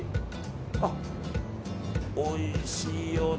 あ、おいしいよね